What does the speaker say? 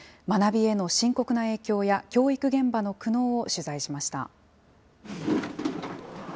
学びへの深刻な影響や、教育現場の苦悩を取材しました。